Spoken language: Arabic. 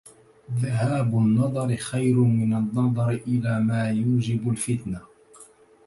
ذهاب النّظر خير من النّظر إلى ما يُوجب الفتنة.